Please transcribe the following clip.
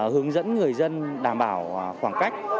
hướng dẫn người dân đảm bảo khoảng cách